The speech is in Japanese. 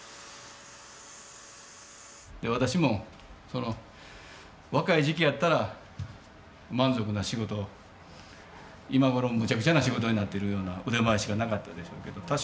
私も若い時期やったら満足な仕事今頃無茶苦茶な仕事になってるような腕前しかなかったでしょうけど。